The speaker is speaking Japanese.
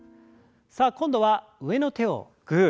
さあ今度は上の手をグー。